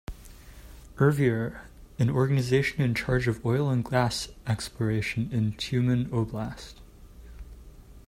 Ervier, an organization in charge of oil and gas exploration in Tyumen Oblast.